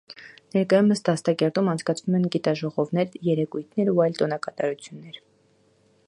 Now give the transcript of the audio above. Ներկայումս դաստակերտում անցկացվում են գիտաժողովներ, երեկույթներ ու այլ տոնակատարություններ։